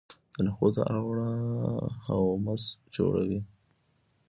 د نخودو اوړه هومس جوړوي.